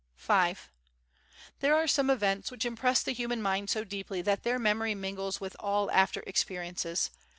V There are some events which impress the human mind so deeply that their memory mingles with all after experiences.